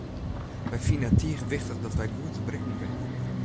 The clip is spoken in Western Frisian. Wy fine it tige wichtich dat wy goed te berikken binne.